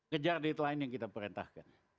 kejar deadline yang kita perintahkan